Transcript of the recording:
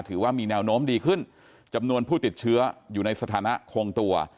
ถือว่ามีแนวโน้มดีขึ้นจำนวนผู้ติดเชื้ออยู่ในสถานะคงตัว